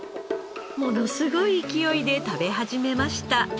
ものすごい勢いで食べ始めました。